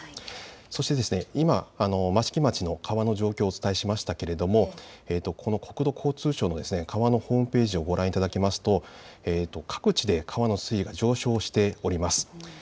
そして今、益城町の川の状況をお伝えしましたけれども国土交通省の川のホームページをご覧いただきますと各地で川の水位が上昇しております。